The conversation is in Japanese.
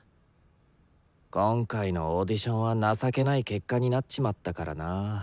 今回のオーディションは情けない結果になっちまったからな。